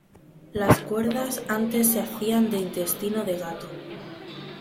Las cuerdas antes se hacían de intestino de gato.